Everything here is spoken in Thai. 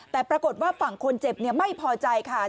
แต่ปรากฏว่าฝั่งคนเจ็บไม่พอใจค่ะ